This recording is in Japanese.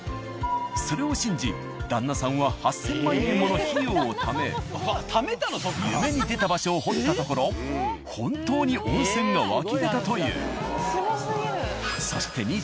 それを信じ旦那さんは８０００万円もの費用を貯め夢に出た場所を掘ったところ本当に温泉が湧き出たという。